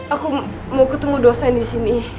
aku mau ketemu dosen disini